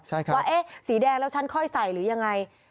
ใช่ครับว่าเอ๊ะสีแดงแล้วฉันค่อยใส่หรือยังไง